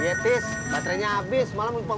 iya tis baterainya abis malah minta gue charge